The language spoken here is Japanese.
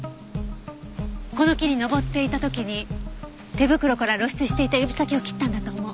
この木に登っていた時に手袋から露出していた指先を切ったんだと思う。